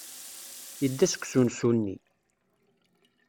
Yedda seg usensu-nni.